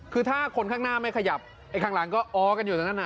คือถ้าคนข้างหน้าไม่ขยับไอ้ข้างหลังก็อ๋อกันอยู่ตรงนั้น